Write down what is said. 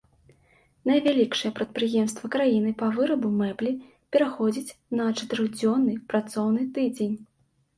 Найвялікшае прадпрыемства краіны па вырабу мэблі пераходзіць на чатырохдзённы працоўны тыдзень.